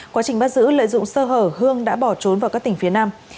quá trình bắt giữ lợi dụng sơ hở hương đã bỏ trốn vào các tỉnh phía nam